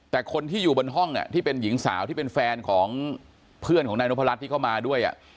แต่คนที่อยู่บนห้องที่เป็นหญิงสาวที่เป็นแฟนของเพื่อนของนายนพรัชที่เข้ามาด้วย